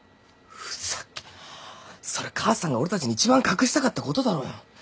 ふざけそれ母さんが俺たちに一番隠したかったことだろうよ。